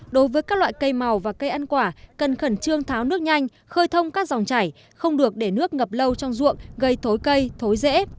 đối với các loại cây màu và cây ăn quả cần khẩn trương tháo nước nhanh khơi thông các dòng chảy không được để nước ngập lâu trong ruộng gây thối cây thối rễ